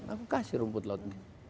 aku kasih rumput laut